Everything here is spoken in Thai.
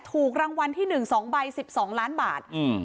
ถูกรางวัลที่หนึ่งสองใบสิบสองล้านบาทอืม